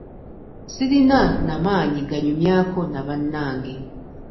Ssirina na maanyi ganyumyako na bannange.